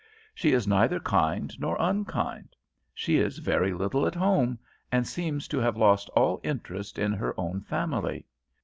"She is neither kind nor unkind: she is very little at home, and seems to have lost all interest in her own family.